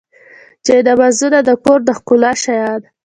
جانمازونه د کور د ښکلا شیان.